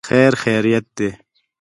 خیر خیریت دی.